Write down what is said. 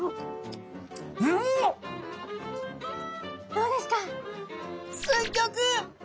どうですか？